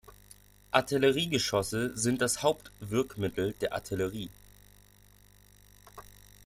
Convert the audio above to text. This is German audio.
Artilleriegeschosse sind das Haupt-Wirkmittel der Artillerie.